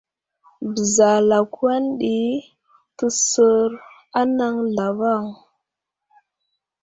Beza lakwan ɗi təsər anaŋ zlavaŋ.